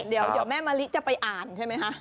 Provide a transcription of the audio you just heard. เดี๋ยวแม่มะลิจะไปอ่านใช่ไหมคะ